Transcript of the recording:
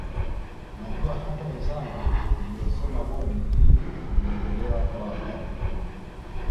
Najua hata wenzangu mliosoma bodi hii mnaielewa kwa wakati huo